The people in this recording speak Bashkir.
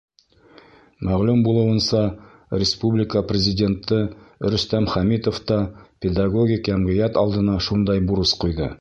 Мәғлүм булыуынса, республика Президенты Рөстәм Хәмитов та педагогик йәмғиәт алдына шундай бурыс ҡуйҙы.